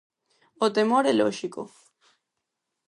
O temor é lóxico.